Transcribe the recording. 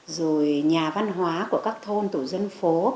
rồi nhà văn hóa của các thôn tổ dân phố